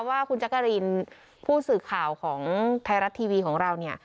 ว่าคุณจักรินผู้สื่อข่าวของไทยรัฐทีวีของเราเนี่ย